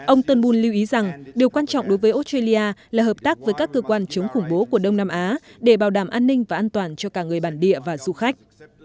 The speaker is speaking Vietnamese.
ông turnbul lưu ý rằng điều quan trọng đối với australia là hợp tác với các cơ quan chống khủng bố của đông nam á để bảo đảm an ninh và an toàn cho cả người bản địa và du khách